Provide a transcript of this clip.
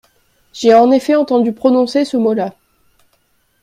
J'ai en effet entendu prononcer ce mot-là.